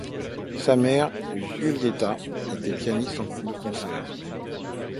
Sa mère, Giulietta, était une pianiste de concert.